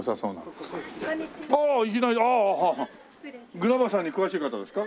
グラバーさんに詳しい方ですか？